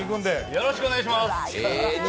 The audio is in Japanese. よろしくお願いします！